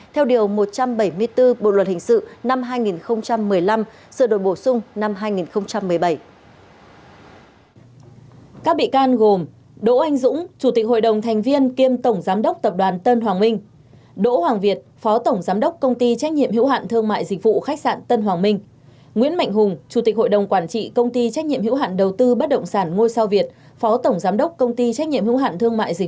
theo điều một trăm bảy mươi bốn bộ luật hình sự năm hai nghìn một mươi năm sự đổi bổ sung năm hai nghìn một mươi năm